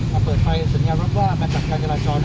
ถ้าเปิดไฟสัญญาณรับว่ามันจับต้นจรด